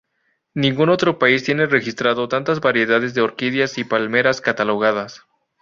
Ningún otro país tiene registrado tantas variedades de orquídeas y palmeras catalogadas.